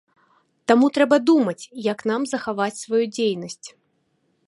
Таму трэба думаць, як нам захаваць сваю дзейнасць.